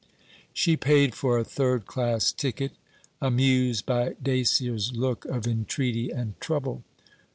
She paid for a third class ticket, amused by Dacier's look of entreaty and trouble.